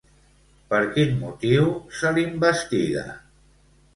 Per quin motiu se l'investiga?